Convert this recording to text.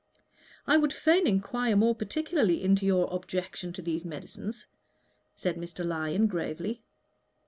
"I would fain enquire more particularly into your objection to these medicines," said Mr. Lyon, gravely.